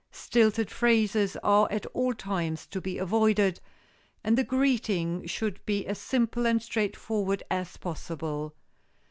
Stilted phrases are at all times to be avoided, and the greeting should be as simple and straightforward as possible.